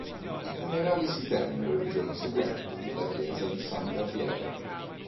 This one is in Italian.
I funerali si tennero il giorno seguente nella chiesa di San Gabriele.